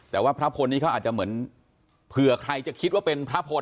แต่ว่าพระพลนี้เขาอาจจะเหมือนเผื่อใครจะคิดว่าเป็นพระพล